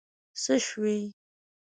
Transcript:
څه شوي.